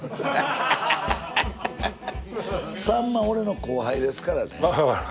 俺の後輩ですからね。